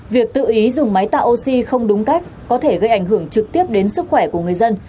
việc tự ý dùng máy tạo oxy không đúng cách có thể gây ảnh hưởng trực tiếp đến sức khỏe của người dân